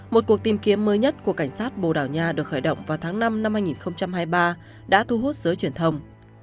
một cuộc tìm kiếm mới nhất của cảnh sát bồ đào nha được khởi động vào tháng năm năm hai nghìn hai mươi ba đã thu hút giới truyền thông